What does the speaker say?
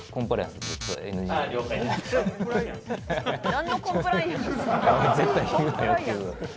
「なんのコンプライアンス？」